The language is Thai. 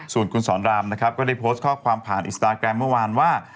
ส่วนคุณสอนรามนะครับก็ได้โพสต์ข้อความผ่านอินสตาแกรมเมื่อวานว่า